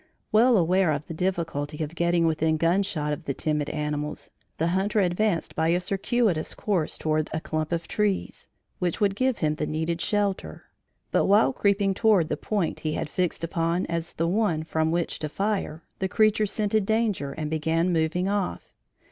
Well aware of the difficulty of getting within gunshot of the timid animals, the hunter advanced by a circuitous course toward a clump of trees, which would give him the needed shelter; but while creeping toward the point he had fixed upon as the one from which to fire, the creatures scented danger and began moving off.